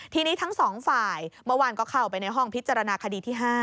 ทีนี้ทั้งสองฝ่ายเมื่อวานก็เข้าไปในห้องพิจารณาคดีที่๕